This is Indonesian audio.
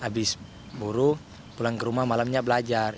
habis buru pulang ke rumah malamnya belajar